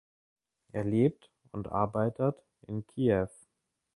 Er lebt und arbeitet in Kiew.